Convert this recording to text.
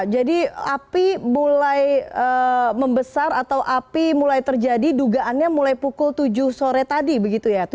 jadi api mulai membesar atau api mulai terjadi dugaannya mulai pukul tujuh sore tadi begitu ya